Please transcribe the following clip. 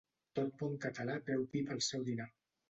Tot bon català beu vi pel seu dinar.